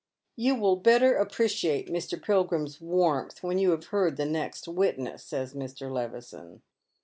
" You will better appreciate IVIr. Pilgiim's wannth when you Jiave heard the next witness," says Mr. Levison.